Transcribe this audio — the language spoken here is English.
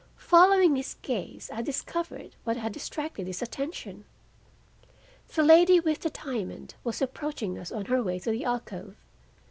Following his gaze, I discovered what had distracted his attention. The lady with the diamond was approaching us on her way to the alcove.